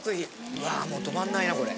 うわもう止まんないなこれ。